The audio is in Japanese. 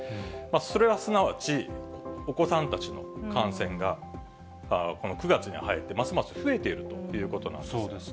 それはすなわち、お子さんたちの感染が、この９月に入ってますます増えているということなんですね。